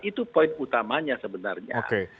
itu poin utamanya sebenarnya